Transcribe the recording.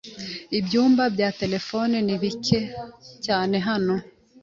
Ibyumba bya terefone ni bike cyane hano.